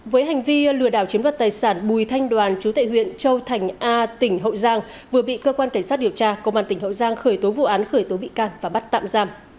với hành vi lừa đảo chiếm đoạt tài sản bùi thanh đoàn chú tệ huyện châu thành a tỉnh hậu giang vừa bị cơ quan cảnh sát điều tra công an tỉnh hậu giang khởi tố vụ án khởi tố bị can và bắt tạm giam